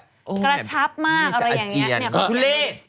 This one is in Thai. กระชับมากเลย